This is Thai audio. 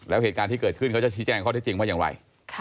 แล้วเหตุการณ์ที่เกิดขึ้นเขาจะชี้แจ้งข้อที่จริงว่าอย่างไร